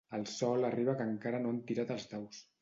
La Sol arriba que encara no han tirat els daus.